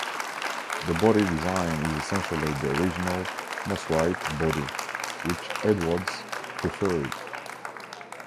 The body design is essentially the original Mosrite body, which Edwards preferred.